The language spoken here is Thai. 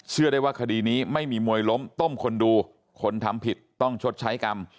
ได้ว่าคดีนี้ไม่มีมวยล้มต้มคนดูคนทำผิดต้องชดใช้กรรม